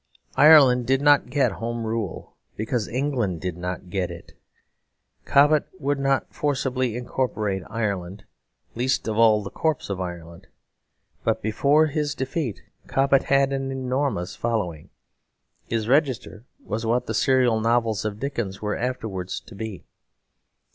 Ireland did not get Home Rule because England did not get it. Cobbett would not forcibly incorporate Ireland, least of all the corpse of Ireland. But before his defeat Cobbett had an enormous following; his "Register" was what the serial novels of Dickens were afterwards to be.